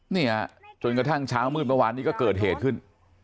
เนี่ยจนกระทั่งเช้ามืดเมื่อวานนี้ก็เกิดเหตุขึ้น